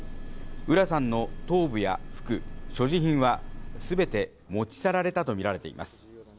浦さんの頭部や服、所持品は全て持ち去られたと見られています。